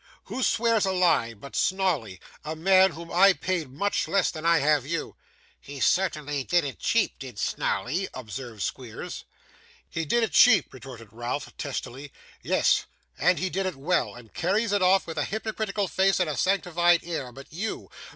Who swears to a lie but Snawley; a man whom I have paid much less than I have you?' 'He certainly did it cheap, did Snawley,' observed Squeers. 'He did it cheap!' retorted Ralph, testily; 'yes, and he did it well, and carries it off with a hypocritical face and a sanctified air, but you!